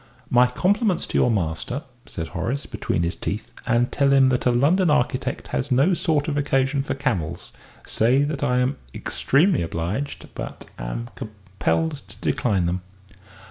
"My compliments to your master," said Horace, between his teeth, "and tell him that a London architect has no sort of occasion for camels. Say that I am extremely obliged but am compelled to decline them."